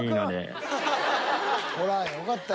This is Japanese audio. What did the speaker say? ほらよかったやん。